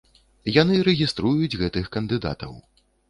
Яны рэгіструюць гэтых кандыдатаў.